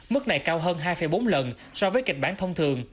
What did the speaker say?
mức này cao hơn hai bốn lần so với kịch bản thông thường